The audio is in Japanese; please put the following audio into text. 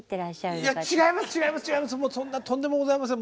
いや違います